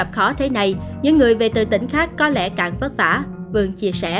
khó thế này những người về từ tỉnh khác có lẽ cạn vất vả phương chia sẻ